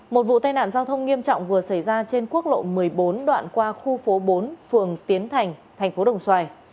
một vụ tai nạn giao thông nghiêm trọng vừa xảy ra trên quốc lộ một mươi bốn đoạn qua khu phố bốn phường tiến thành thành phố đồng xoài